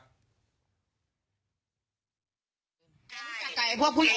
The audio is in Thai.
ก็ไม่รู้ว่าฟ้าจะระแวงพอพานหรือเปล่า